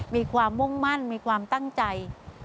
มีความมุ่งมั่นมีความตั้งใจ